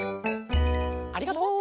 ありがとう。